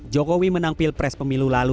jokowi menampil pres pemilu lalu